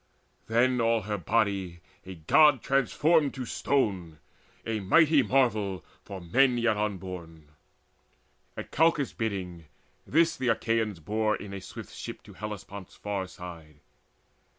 Then all her body a God transformed to stone A mighty marvel for men yet unborn! At Calchas' bidding this the Achaeans bore In a swift ship to Hellespont's far side.